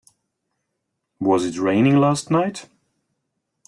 Was it raining last night?